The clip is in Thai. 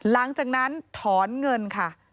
หลังจากนั้นถอนเงินค่ะ